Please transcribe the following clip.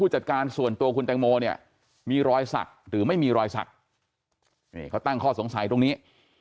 หรือไม่มีรอยศักดิ์เขาตั้งข้อสงสัยตรงนี้